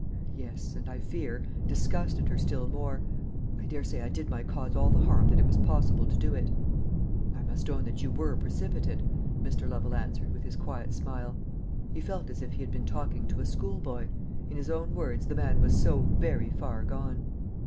"Yes; and, I fear, disgusted her still more. I daresay I did my cause all the harm that it was possible to do it." "I must own that you were precipitate," Mr. Lovel answered, with his quiet smile. He felt as if he had been talking to a schoolboy. In his own words the man was so "very far gone."